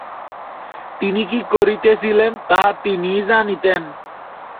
তিনি কি করিতেছিলেন, তাহা তিনিই জানিতেন।